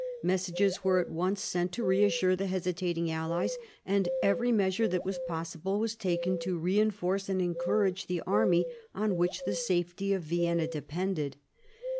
Messages were at once sent to reassure the hesitating allies, and every measure that was possible was taken to reinforce and encourage the army on which the safety of Vienna depended.